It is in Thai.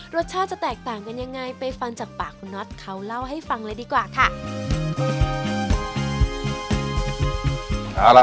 รสชาติจะแตกต่างกันยังไงไปฟังจากปากคุณน็อตเขาเล่าให้ฟังเลยดีกว่าค่ะ